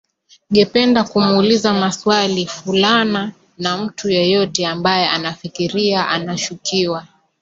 gependa kumuuliza mwaswali fulana au mtu yeyote ambaye anafikiria anashukiwa